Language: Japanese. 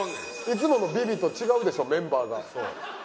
いつもの『ＶｉＶｉ』と違うでしょメンバーが。